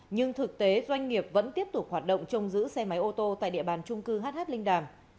nhưng thực tế doanh nghiệp vẫn tiếp tục hoạt động trông giữ xe máy ô tô tại địa bàn trung cư hh linh đàm